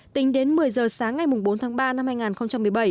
tính đến một mươi giờ sáng ngày bốn tháng ba năm hai nghìn một mươi bảy